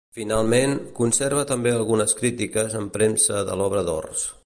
Finalment, conserva també algunes crítiques en premsa de l'obra d'Ors.